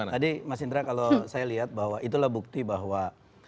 tadi mas indra kalau saya lihat bahwa itulah bukti bahwa